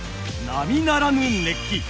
並ならぬ熱気